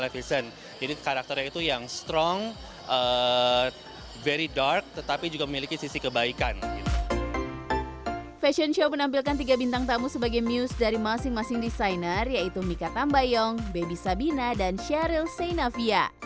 fashion show menampilkan tiga bintang tamu sebagai muse dari masing masing desainer yaitu mika tambayong baby sabina dan sheryl seynavia